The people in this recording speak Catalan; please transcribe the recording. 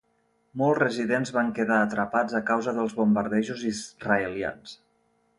Molts residents van quedar atrapats a causa dels bombardejos israelians.